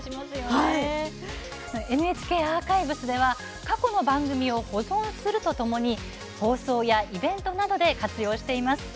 ＮＨＫアーカイブスでは過去の番組を保存するとともに放送やイベントなどで活用しています。